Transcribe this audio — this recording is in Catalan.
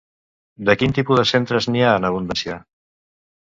De quin tipus de centres n'hi ha en abundància?